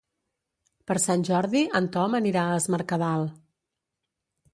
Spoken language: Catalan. Per Sant Jordi en Tom anirà a Es Mercadal.